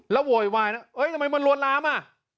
แล้วโวยวายนะเอ๊ยทำไมมันลวดล้ามอะ